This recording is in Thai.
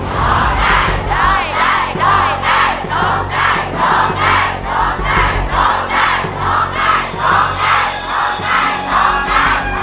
ไปได้พี่กุ้งไปได้ไปหาสามีได้ไปได้